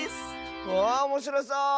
ああおもしろそう！